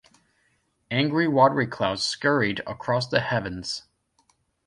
Angry watery clouds scurried across the heavens.